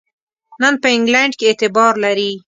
نن په انګلینډ کې اعتبار لري.